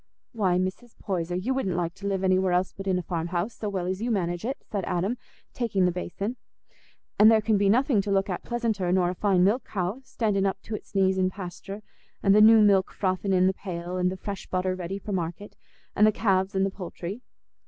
'" "Why, Mrs. Poyser, you wouldn't like to live anywhere else but in a farm house, so well as you manage it," said Adam, taking the basin; "and there can be nothing to look at pleasanter nor a fine milch cow, standing up to'ts knees in pasture, and the new milk frothing in the pail, and the fresh butter ready for market, and the calves, and the poultry.